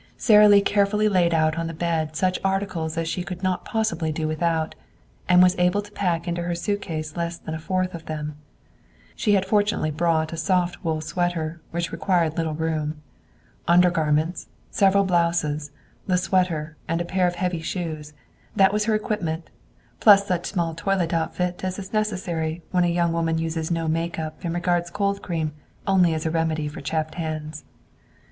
Sara Lee carefully laid out on the bed such articles as she could not possibly do without, and was able to pack into her suitcase less than a fourth of them. She had fortunately brought a soft wool sweater, which required little room. Undergarments, several blouses, the sweater and a pair of heavy shoes that was her equipment, plus such small toilet outfit as is necessary when a young woman uses no make up and regards cold cream only as a remedy for chapped hands.